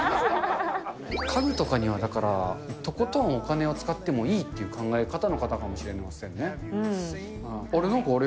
家具とかにはだから、とことんお金を使ってもいいっていう考え方の方かもしれませんね。